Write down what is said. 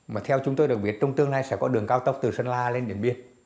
mà theo chúng tôi được biết trong tương lai sẽ có đường cao tốc từ sơn la lên điện biên